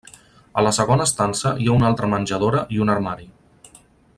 A la segona estança hi ha una altra menjadora i un armari.